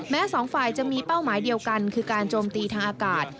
สองฝ่ายจะมีเป้าหมายเดียวกันคือการโจมตีทางอากาศ